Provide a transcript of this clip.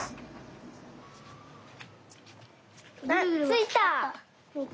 ついた！